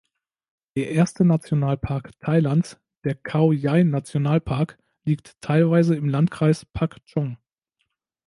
Der erste Nationalpark Thailands, der Khao-Yai-Nationalpark liegt teilweise im Landkreis Pak Chong.